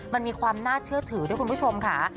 มันมีความน่าเชื่อถือด้วยคุณผู้ชมค่ะ